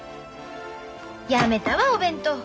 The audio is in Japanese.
やめたわお弁当。